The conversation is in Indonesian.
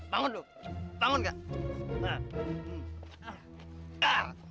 bangun lo bangun kak